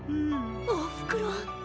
おふくろ。